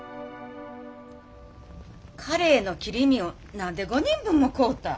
カレイの切り身を何で５人分も買うた？